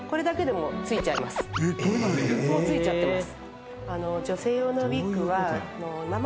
もうついちゃってます